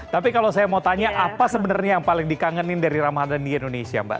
tapi kalau saya mau tanya apa sebenarnya yang paling dikangenin dari ramadan di indonesia mbak